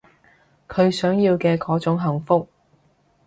佢想要嘅嗰種幸福